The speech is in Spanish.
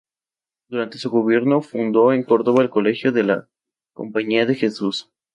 Durante su gobierno, fundó en Córdoba el Colegio de la Compañía de Jesús.